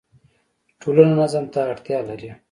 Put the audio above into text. ټولنه نظم ته اړتیا لري.